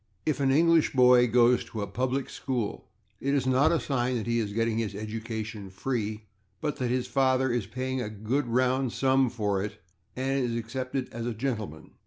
If an English boy goes to a /public school/, it is not a sign that he is getting his education free, but that his father is paying a good round sum for it and is accepted as a gentleman.